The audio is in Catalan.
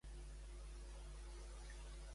Com és físicament Bauzà?